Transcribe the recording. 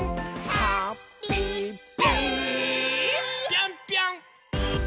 ぴょんぴょん！